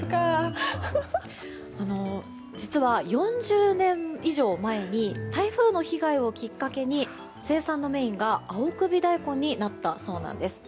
実は、４０年以上前に台風の被害をきっかけに生産のメインが青首大根になったそうなんです。